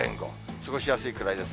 過ごしやすいくらいです。